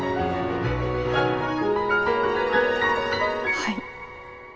はい。